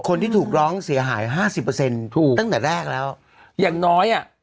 คนที่ถูกร้องเสียหายห้าสิบเปอร์เซ็นต์ถูกตั้งแต่แรกแล้วอย่างน้อยอ่ะ